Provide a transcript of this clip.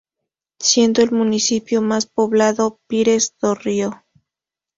Siendo el municipio más poblado Pires do Rio.